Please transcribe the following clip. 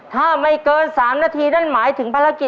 ใจใจใจ